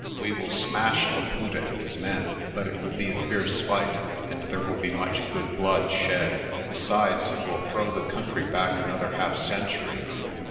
We shall smash Laputa and his men, but it will be a fierce fight, and there will be much good blood shed. Besides, it will throw the country back another half century.